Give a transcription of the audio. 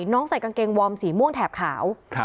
ใส่กางเกงวอร์มสีม่วงแถบขาว